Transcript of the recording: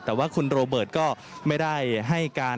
แต่ว่าคุณโรเบิร์ตก็ไม่ได้ให้การ